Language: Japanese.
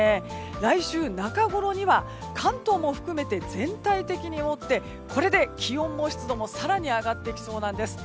来週中ごろには関東も含めて全体的に覆ってこれで気温も湿度も更に上がってきそうなんです。